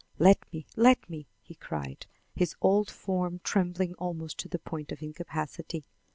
"Let me! let me!" he cried, his old form trembling almost to the point of incapacity.